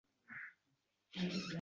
Mana, o‘ttiz kun o‘tib, o‘n kun qoldi